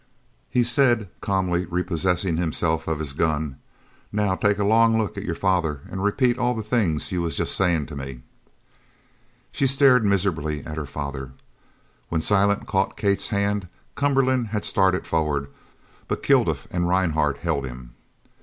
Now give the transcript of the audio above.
He said, calmly repossessing himself of his gun, "Now take a long look at your father an' repeat all the things you was just saying' to me." She stared miserably at her father. When Silent caught Kate's hand Cumberland had started forward, but Kilduff and Rhinehart held him.